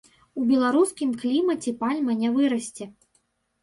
У беларускім клімаце пальма не вырасце.